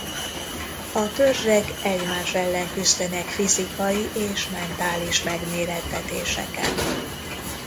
A törzsek egymás ellen küzdenek fizikai és mentális megmérettetéseken.